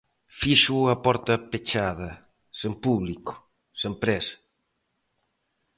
Fíxoo a porta pechada, sen público, sen prensa.